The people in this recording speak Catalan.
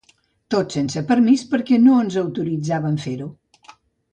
Tot sense permís, perquè no ens autoritzaven fer-ho.